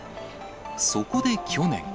そこで去年。